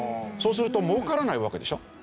そうすると儲からないわけでしょ？